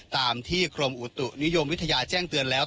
ตามที่กรมอุตุนิยมวิทยาแจ้งเตือนแล้ว